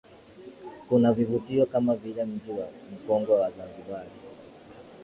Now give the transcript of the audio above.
Kuna vivutio kama vile mji mkongwe wa Zanzibar